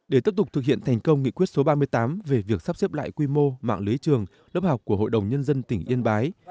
để tiếp tục thực hiện thành công nghị quyết số ba mươi tám về việc sắp xếp lại quy mô mạng lưới trường lớp học của hội đồng nhân dân tỉnh yên bái